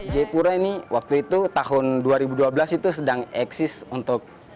jayapura ini waktu itu tahun dua ribu dua belas itu sedang eksis untuk